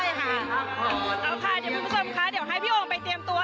เอาค่ะเดี๋ยวคุณผู้ชมคะเดี๋ยวให้พี่โอมไปเตรียมตัว